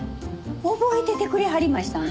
覚えててくれはりましたんか？